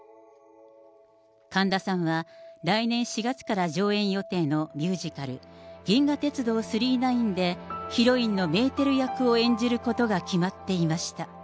神田さんは来年４月から上演予定のミュージカル、銀河鉄道９９９でヒロインのメーテル役を演じることが決まっていました。